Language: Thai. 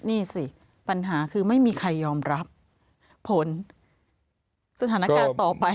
นี่สิปัญหาคือไม่มีใครยอมรับผลสถานการณ์ต่อไป